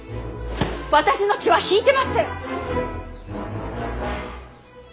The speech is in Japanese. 私の血は引いてません！